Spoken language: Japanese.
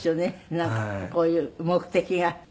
なんかこういう目的があってね。